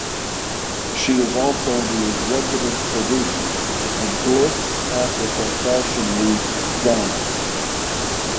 She is also the Executive Producer of Glitz Africa Fashion Week Ghana.